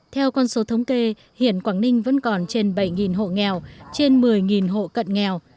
theo con số thống kê hiện quảng ninh vẫn còn trên bảy hộ nghèo trên một mươi hộ cận nghèo